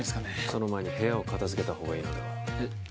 その前に部屋を片付けた方がいいのではえっ